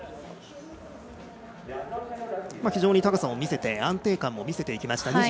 非常に高さも見せて安定感も見せていきました。